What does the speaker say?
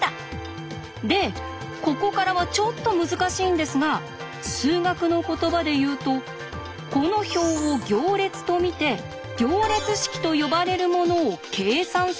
でここからはちょっと難しいんですが数学の言葉で言うとこの表を行列と見て行列式と呼ばれるものを計算するんです。